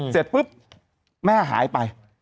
เสร็จปุ๊บแม่หายไป